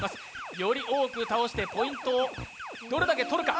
より多く倒してポイントをどれだけ取るか。